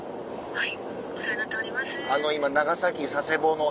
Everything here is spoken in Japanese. はい。